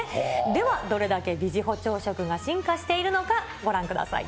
では、どれだけビジホ朝食が進化しているのか、ご覧ください。